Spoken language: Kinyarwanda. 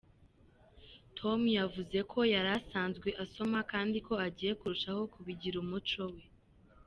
com yavuze ko yari asanzwe asoma kandi ko agiye kurushaho kubigira umuco we.